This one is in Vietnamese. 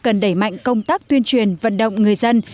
cần đẩy mạnh công tác tuyên truyền vận động người dân